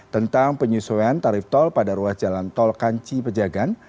tentang penyesuaian tarif tol pada ruas jalan tol kanci pejagan